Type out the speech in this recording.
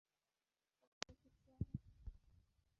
ওকে দেখেছি আমি।